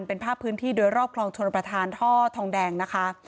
เป็นภาพพื้นที่โดยรอบคลองชนประธานท่อทองแดงนะคะ